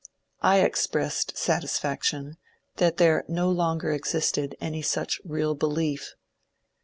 I expressed satis faction that there no longer existed any such real belief.